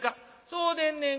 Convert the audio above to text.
「そうでんねん。